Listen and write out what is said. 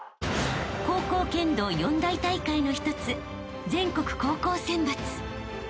［高校剣道４大大会の一つ全国高校選抜］